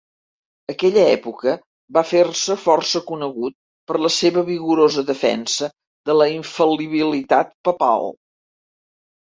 Aquella època va fer-se força conegut per la seva vigorosa defensa de la infal·libilitat papal.